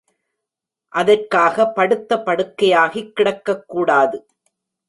அதற்காக, படுத்த படுக்கையாகி கிடக்கக்கூடாது.